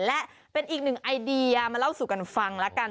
และเป็นอีกหนึ่งไอเดียมาเล่าสู่กันฟังแล้วกัน